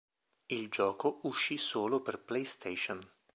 Il gioco uscì solo per PlayStation.